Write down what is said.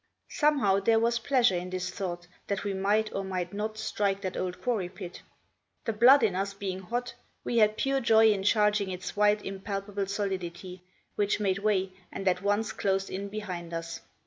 Somehow, there was pleasure in this thought, that we might, or might not, strike that old quarry pit. The blood in us being hot, we had pure joy in charging its white, impalpable solidity, which made way, and at once closed in behind us.